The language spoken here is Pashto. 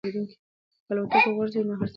که الوتکه وغورځي نو هر څه به پای ته ورسېږي.